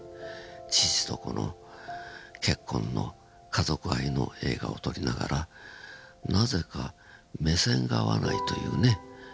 父と子の結婚の家族愛の映画を撮りながらなぜか目線が合わないというね。